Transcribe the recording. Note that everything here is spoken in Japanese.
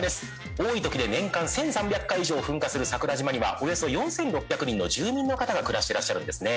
多いときで年間１３００回以上噴火する桜島にはおよそ４６００人の住民の方が暮らしてらっしゃるんですね